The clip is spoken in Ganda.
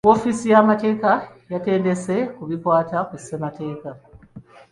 Woofiisi y'amateeka yatendese ku bikwata ku ssemateeka.